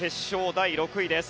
第９位です。